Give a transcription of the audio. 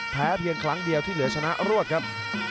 เพียงครั้งเดียวที่เหลือชนะรวดครับ